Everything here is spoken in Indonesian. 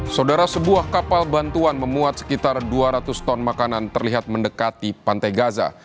saudara sebuah kapal bantuan memuat sekitar dua ratus ton makanan terlihat mendekati pantai gaza